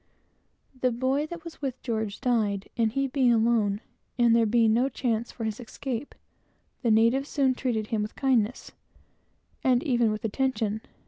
The boy that was with George died, and he being alone, and there being no chance for his escape, the natives soon treated him with kindness, and even with attention.